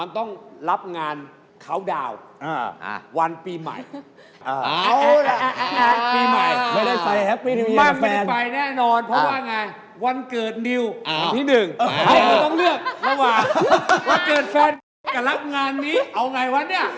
ต้องเลือกระหว่างวันเกิดแฟนกับรับงานนี้เอาไงวะเนี่ย